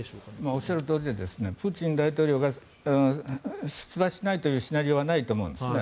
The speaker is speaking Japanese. おっしゃるとおりでプーチン大統領が出馬しないというシナリオはないと思うんですね。